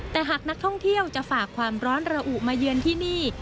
แต่หากนักท่องเที่ยวจะฝากความร้อนระอุมาเยือนที่นี่